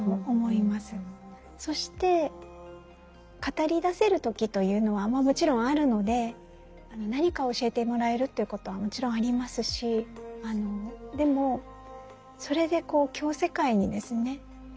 そして語りだせる時というのはもちろんあるので何かを教えてもらえるということはもちろんありますしでもそれで共世界にですね